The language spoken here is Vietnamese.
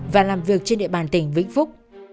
và làm việc trên địa bàn tỉnh vĩnh phúc